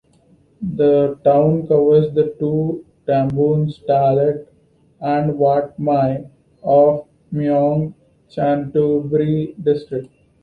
The town covers the two "tambons" Talat and Wat Mai of Mueang Chanthaburi district.